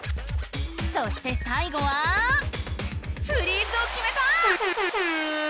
そしてさいごはフリーズをきめた！